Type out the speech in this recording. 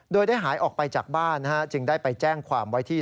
โดยได้หายออกไปจากบ้านจึงได้ไปแจ้งความไว้ที่